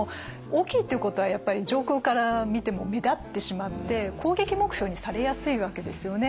大きいっていうことはやっぱり上空から見ても目立ってしまって攻撃目標にされやすいわけですよね。